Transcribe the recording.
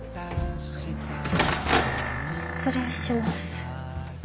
失礼します。